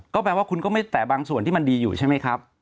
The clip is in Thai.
ก็แปลว่าคุณก็ไม่แต่บางส่วนที่มันดีอยู่ใช่ไหมครับ